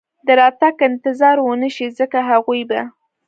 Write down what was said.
د راتګ انتظار و نه شي، ځکه هغوی به.